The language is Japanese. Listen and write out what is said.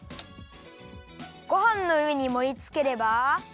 ごはんのうえにもりつければ。